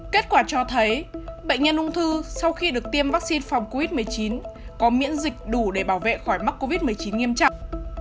kết quả cho thấy bệnh nhân ung thư sau khi được tiêm vaccine phòng covid một mươi chín có miễn dịch đủ để bảo vệ khỏi mắc covid một mươi chín nghiêm trọng